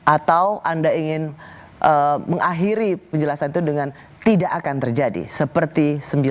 atau anda ingin mengakhiri penjelasan itu dengan tidak akan terjadi seperti seribu sembilan ratus sembilan puluh delapan